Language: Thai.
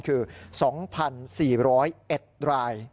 คือ๒๔๐๑ราย